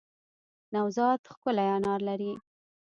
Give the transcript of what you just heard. نوزاد ښکلی انار لری